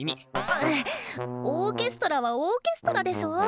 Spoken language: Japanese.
ぐっオーケストラはオーケストラでしょ。